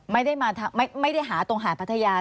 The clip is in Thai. ไม่ได้หาตรงหาดพัทยา